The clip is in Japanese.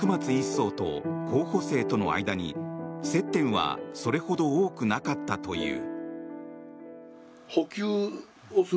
曹と候補生との間に接点はそれほど多くなかったという。